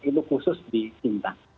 itu khusus di singtang